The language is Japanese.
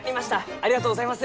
ありがとうございます！